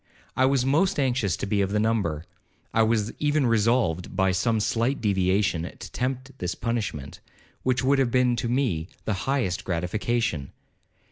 I was most anxious to be of the number—I was even resolved, by some slight deviation, to tempt this punishment, which would have been to me the highest gratification.